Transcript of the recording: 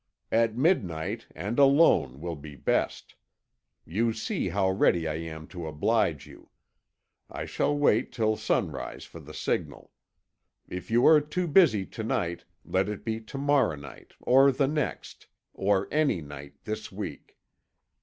At midnight and alone will be best. You see how ready I am to oblige you. I shall wait till sunrise for the signal. If you are too busy to night, let it be tomorrow night, or the next, or any night this week.